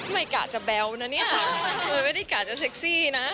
ไม่กล้าจะแบลนะเนี่ยค่ะไม่พอได้กล้าจะเซ็กซี่นะ